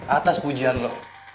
atas pujian lo